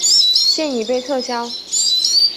现已被撤销。